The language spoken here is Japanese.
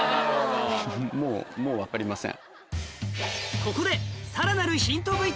もうもう分かりません。